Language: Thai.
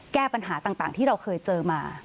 แก้ปัญหาต่างที่เราเคยเจอมา